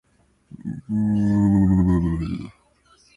Where is Wraysbury, I can scarce find it on the map?